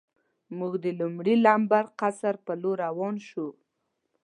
موږ د لومړي لمبر قصر په لور روان شو.